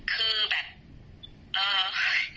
แต่ว่าคนที่เหนื่อยกว่าหมอมีเยอะมาก